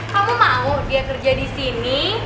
kamu mau dia kerja di sini